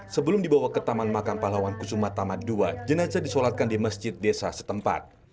sebelum dibawa ke taman makam pahlawan kusuma tama ii jenazah disolatkan di masjid desa setempat